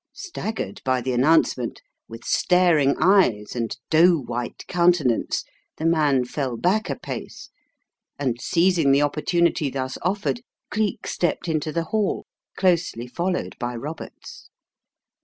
Staggered by the announcement, with staring eyes and dough white countenance the man fell back a pace, and seizing the opportunity thus offered, Cleek stepped into the hall, closely followed by Roberts.